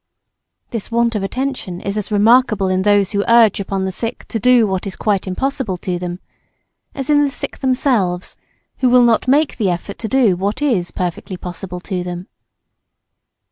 This want of attention is as remarkable in those who urge upon the sick to do what is quite impossible to them, as in the sick themselves who will not make the effort to do what is perfectly possible to them.